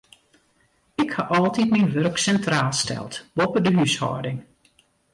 Ik ha altyd myn wurk sintraal steld, boppe de húshâlding.